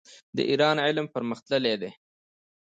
د ایران علم پرمختللی دی.